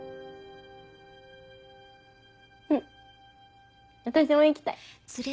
うん私も行きたい！